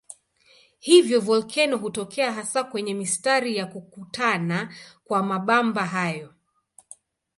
Hivyo volkeno hutokea hasa kwenye mistari ya kukutana kwa mabamba hayo.